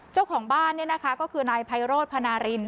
เจ้าของบ้านเนี่ยนะคะก็คือนายไพโรธพนาริน